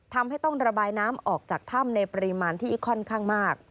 ทำให้ต้องระบายน้ำออกจากถ้ำในปริมาณที่ค่อนข้างมาก